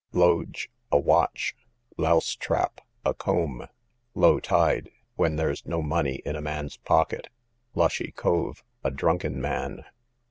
Loge, a watch. Louse trap, a comb. Low tide, when there's no money in a man's pocket. Lushy cove, a drunken man.